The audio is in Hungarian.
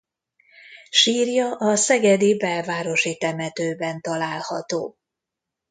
Sírja a szegedi Belvárosi temetőben található.